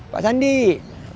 pak sandi pak sandi